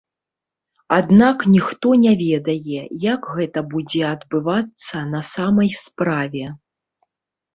Аднак ніхто не ведае, як гэта будзе адбывацца на самай справе.